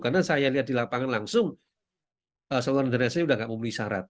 karena saya lihat di lapangan langsung seluruh dana saya sudah tidak membeli syarat